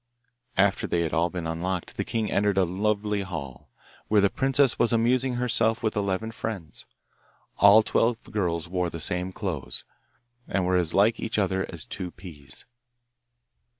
After they had all been unlocked the king entered a lovely hall, where the princess was amusing herself with eleven friends. All twelve girls wore the same clothes, and were as like each other as two peas.